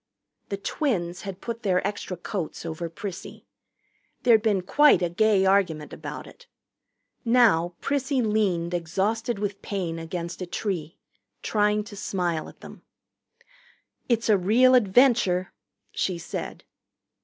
The twins had put their extra coats over Prissy. There'd been quite a gay argument about it. Now Prissy leaned exhausted with pain against a tree, trying to smile at them. "It's a real adventure," she said.